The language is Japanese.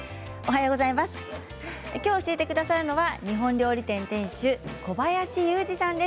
きょう教えてくださるのは日本料理店店主小林雄二さんです。